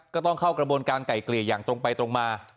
ต้องเข้ากระบวนการไก่เกลี่ยอย่างตรงไปตรงมา